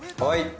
はい。